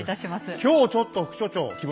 今日ちょっと副所長着物